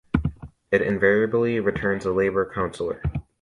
It invariably returns a Labour councillor.